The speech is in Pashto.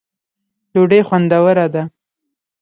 ډوډۍ خوندوره ده